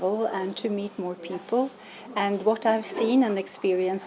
và n sultan là người ph bind thư giãn với dânince bao tiêu thidd welcome